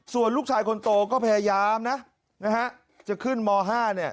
ส่วนลูกชายคนโตก็พยายามนะจะขึ้นม๕เนี่ย